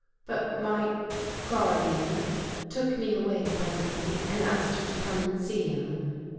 " But my — guardian took me away presently and asked her to come and see him.